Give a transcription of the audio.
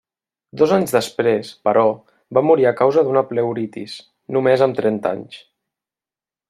Dos anys després, però, va morir a causa d'una pleuritis, només amb trenta anys.